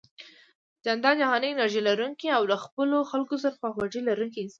جانداد جهاني انرژي لرونکی او له خپلو خلکو سره خواخوږي لرونکی انسان دی